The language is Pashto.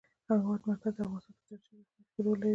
د هېواد مرکز د افغانستان په ستراتیژیک اهمیت کې رول لري.